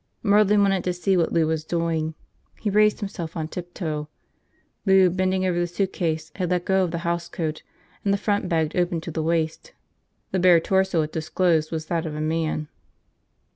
Merlin wanted to see what Lou was doing. He raised himself on tiptoe. Lou, bending over the suitcase, had let go of the housecoat and the front bagged open to the waist. The bare torso it disclosed was that of a man.